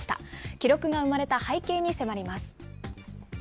記録が生まれた背景に迫ります。